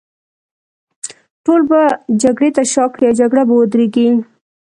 ټول به جګړې ته شا کړي، او جګړه به ودرېږي.